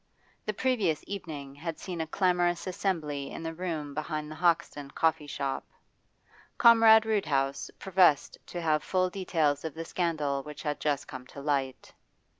The previous evening had seen a clamorous assembly in the room behind the Hoxton coffee shop. Comrade Roodhouse professed to have full details of the scandal which had just come to light.